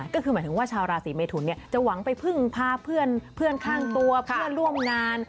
ก็คือหมายถึงว่าชาวราศีเมทุนจะหวังไปพึ่งพาเพื่อนข้างตัวเพื่อนร่วมงาน